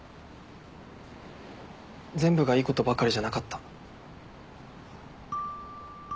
全部がいいことばかりじゃなかった。